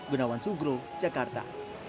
gunawan sugro jakarta